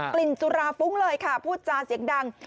กลิ่นจุราฟุ้งเลยค่ะพูดจาเสียงดัง